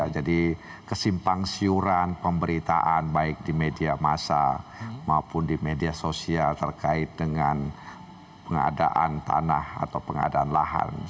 jadi kesimpang siuran pemberitaan baik di media masa maupun di media sosial terkait dengan pengadaan tanah atau pengadaan lahan